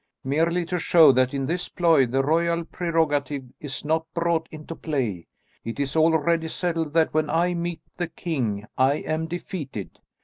"Merely to show that in this ploy the royal prerogative is not brought into play; it is already settled that when I meet the king, I am defeated.